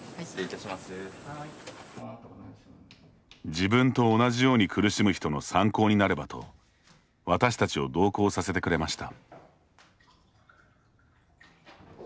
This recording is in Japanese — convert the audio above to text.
自分と同じように苦しむ人の参考になればと私たちを同行させてくれました。